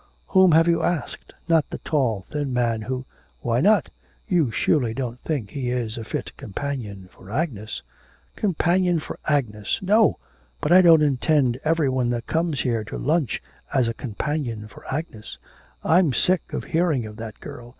'Whom have you asked? Not the tall thin man who ' 'Why not?' 'You surely don't think he is a fit companion for Agnes?' 'Companion for Agnes! no; but I don't intend every one that comes here to lunch as a companion for Agnes. I'm sick of hearing of that girl.